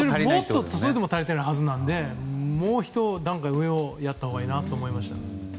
それでも足りてないはずなのでもう一段階上をやったほうがいいと思いました。